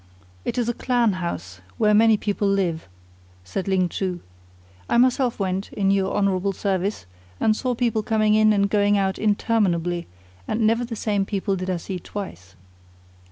"It is a clan house, where many people live," said Ling Chu. "I myself went, in your honourable service, and saw people coming in and going out interminably, and never the same people did I see twice."